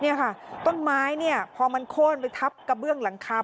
นี่ค่ะต้นไม้เนี่ยพอมันโค้นไปทับกระเบื้องหลังคา